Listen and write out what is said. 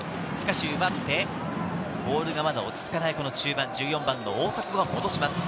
しかし奪って、ボールがまだ落ち着かない中盤、１４番・大迫が戻します。